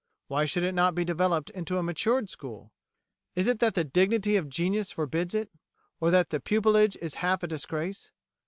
Why should it not be developed into a matured school? Is it that the dignity of genius forbids it, or that pupilage is half a disgrace?